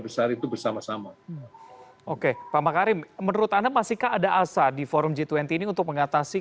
besar itu bersama sama oke pak makarim menurut anda masihkah ada asa di forum g dua puluh ini untuk mengatasi